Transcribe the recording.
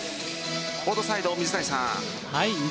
コートサイド水谷さん。